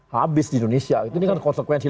habis di indonesia ini kan konsekuensi